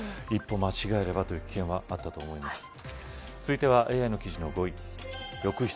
一歩間違えればという危険もあったと思います。